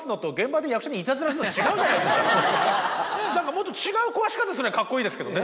もっと違う壊し方すりゃカッコいいですけどね。